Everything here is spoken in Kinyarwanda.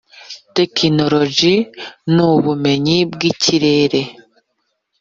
tekinoloji n’ubumenyi bw’ikirere